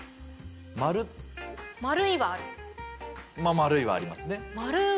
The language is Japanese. まる「い」はありますね。